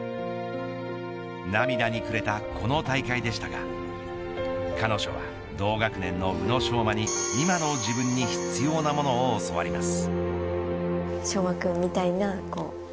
涙にくれた、この大会でしたが彼女は同学年の宇野昌磨に今の自分に必要なものを教わります。